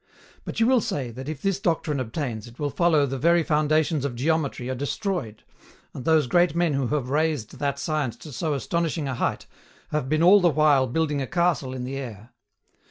But you will say that if this doctrine obtains it will follow the very foundations of Geometry are destroyed, and those great men who have raised that science to so astonishing a height, have been all the while building a castle in the air.